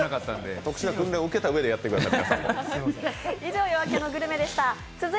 特殊な訓練を受けたうえでやってください。